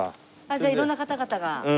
じゃあ色んな方々が。